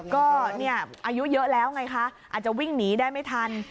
ก็อายุเยอะแล้วไงคะอาจจะวิ่งหนีได้ไม่ทัน